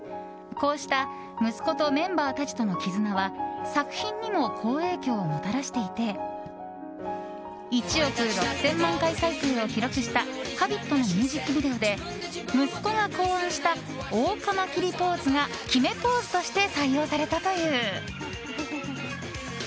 こうした息子とメンバーたちとの絆は作品にも好影響をもたらしていて１億６０００万回再生を記録した「Ｈａｂｉｔ」のミュージックビデオで息子が考案したオオカマキリポーズが決めポーズとして採用されたという。